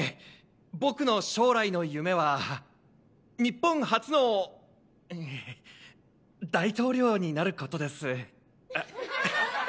僕の将来の夢は日本初の大統領になることです。